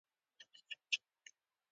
متلونه د ټولنې د ژوند هېنداره ده